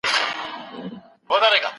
هغه وويل چي منډه ښه ده.